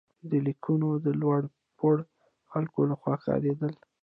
دا لیکونه د لوړ پوړو خلکو لخوا کارېدل.